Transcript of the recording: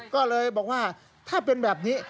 ก็เลยบอกว่าถ้าเป็นแบบนี้